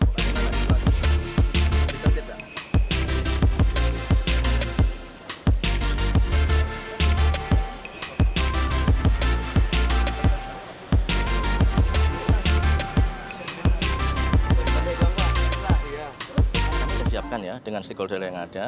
kami siapkan ya dengan si goldel yang ada